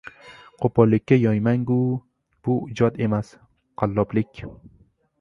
Qo‘pollikka yo‘ymang-u, bu ijod emas, qalloblik!